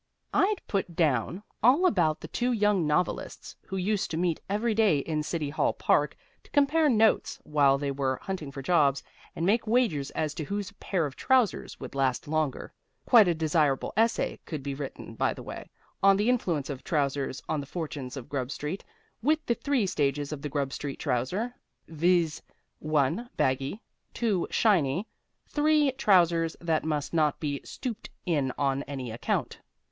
I'd put down all about the two young novelists who used to meet every day in City Hall Park to compare notes while they were hunting for jobs, and make wagers as to whose pair of trousers would last longer. (Quite a desirable essay could he written, by the way, on the influence of trousers on the fortunes of Grub Street, with the three stages of the Grub Street trouser, viz.: 1, baggy; 2, shiny; 3, trousers that must not be stooped in on any account.)